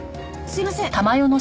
すいません！